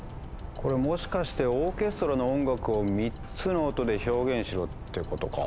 これもしかしてオーケストラの音楽を３つの音で表現しろってことか？